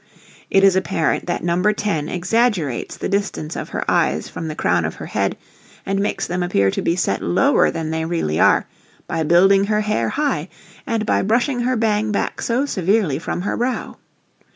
It is apparent that No. 10 exaggerates the distance of her eyes from the crown of her head, and makes them appear to be set lower than they really are by building her hair high, and by brushing her bang back so severely from her brow.